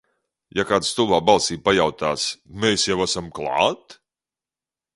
Ja kāds stulbā balsī pajautās: mēs jau esam klāt?